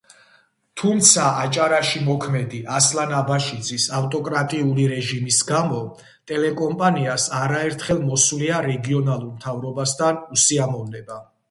თუმცა, აჭარაში მოქმედი ასლან აბაშიძის ავტოკრატიული რეჟიმის გამო, ტელეკომპანიას არაერთხელ მოსვლია რეგიონულ მთავრობასთან უსიამოვნება.